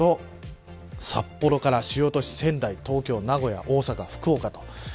そうしますと、札幌から主要都市仙台、東京、名古屋大阪、福岡と。